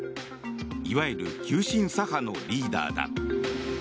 いわゆる急進左派のリーダーだ。